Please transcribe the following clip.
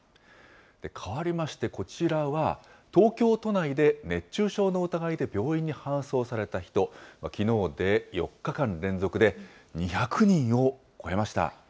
かわりまして、こちらは東京都内で熱中症の疑いで病院に搬送された人、きのうで４日間連続で２００人を超えました。